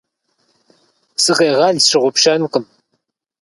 Сакъегъэл, сщыгъупщэнкъым.